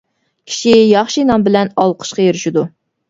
كىشى ياخشى نام بىلەن ئالقىشقا ئېرىشىدۇ.